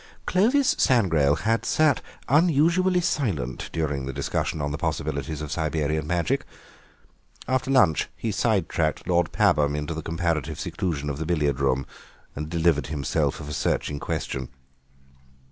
Clovis Sangrail had sat unusually silent during the discussion on the possibilities of Siberian Magic; after lunch he side tracked Lord Pabham into the comparative seclusion of the billiard room and delivered himself of a searching question.